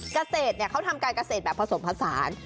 เกษตรเขาทำการเกษตรแบบผสมผสาน